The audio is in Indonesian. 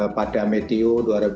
pada medium dua ribu dua puluh